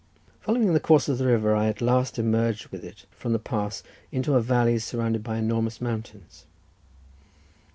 Following the course of the river, I at last emerged with it from the pass into a valley surrounded by enormous mountains.